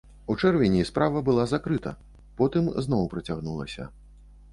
У чэрвені справа была закрыта, потым зноў працягнулася.